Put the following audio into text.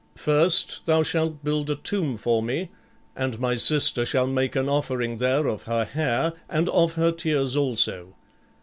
First, thou shalt build a tomb for me, and my sister shall make an offering there of her hair and of her tears also.